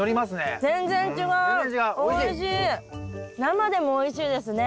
生でもおいしいですね。